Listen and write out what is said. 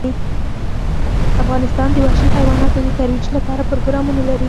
افغانستان د وحشي حیواناتو د ترویج لپاره پروګرامونه لري.